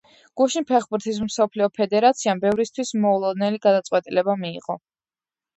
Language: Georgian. გუშინ ფეხბურთის მსოფლიო ფედერაციამ ბევრისთვის მოულოდნელი გადაწყვეტილება მიიღო.